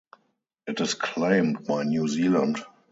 It is claimed by New Zealand.